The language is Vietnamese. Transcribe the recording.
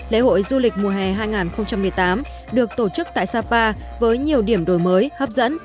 lễ hội du lịch mùa hè hai nghìn một mươi tám được tổ chức tại sapa với nhiều điểm đổi mới hấp dẫn